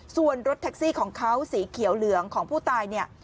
ส่วนรถแท็กซี่ของเขาสีเขียวเหลืองของผู้ตายเนี่ย